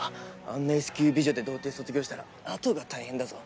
あんなＳ級美女で童貞卒業したらあとが大変だぞ